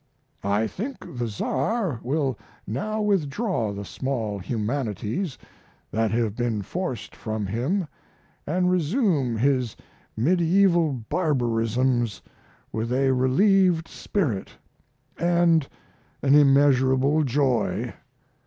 I think the Tsar will now withdraw the small humanities that have been forced from him, and resume his medieval barbarisms with a relieved spirit and an immeasurable joy.